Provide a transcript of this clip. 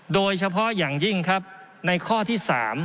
โดยเฉพาะอย่างยิ่งครับในข้อที่๓